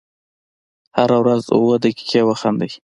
هره ورځ اووه دقیقې وخاندئ .